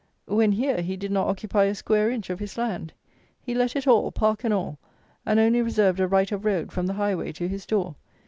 When here, he did not occupy a square inch of his land! He let it all, park and all; and only reserved "a right of road" from the highway to his door.